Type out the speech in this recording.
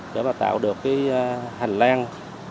để mà tạo được hành lang